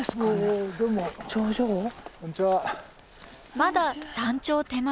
まだ山頂手前。